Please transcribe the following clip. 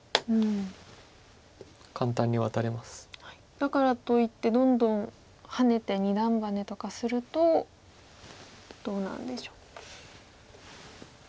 だからといってどんどんハネて二段バネとかするとどうなんでしょう。